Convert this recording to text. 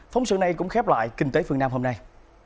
phóng sự này cũng khép lại kinh tế phương nam hôm nay